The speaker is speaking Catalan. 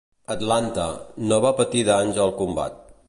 "Atlanta" no va patir danys al combat.